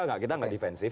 gak kita gak defensif